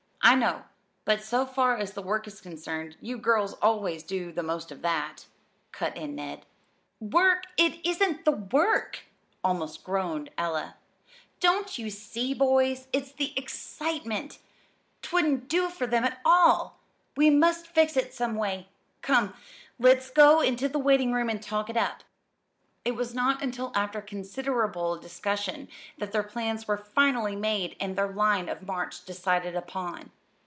"I know; but so far as the work is concerned, you girls always do the most of that," cut in Ned. "Work! It isn't the work," almost groaned Ella. "Don't you see, boys? It's the excitement 'twouldn't do for them at all. We must fix it some way. Come, let's go into the waiting room and talk it up." It was not until after considerable discussion that their plans were finally made and their line of march decided upon.